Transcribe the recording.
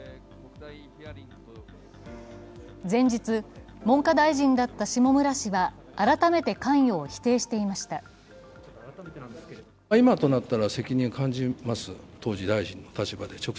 前日、文科大臣だった下村氏は改めて関与を否定していました。